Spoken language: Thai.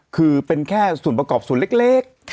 คือเป็นแค่ส่วนประกอบส่วนเล็ก